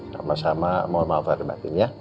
sama sama mohon maaf lah herbatin ya